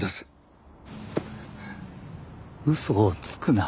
嘘をつくな。